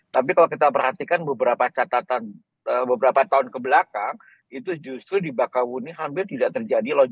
tapi kalau kita perhatikan beberapa catatan beberapa tahun kebelakang itu justru di bakahuni hampir tidak terjadi lonjakan